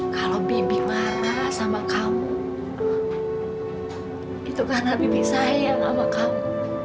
kalau bibi marah sama kamu itu kan habibie sayang sama kamu